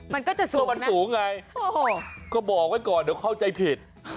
มันก็จะสูงตัวมันสูงไงก็บอกไว้ก่อนเดี๋ยวเข้าใจผิด